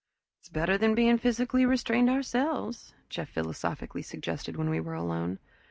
"It's better than being physically restrained ourselves," Jeff philosophically suggested when we were alone.